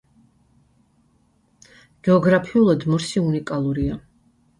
გეოგრაფიულად მორსი უნიკალურია.